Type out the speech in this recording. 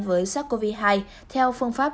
với sars cov hai theo phương pháp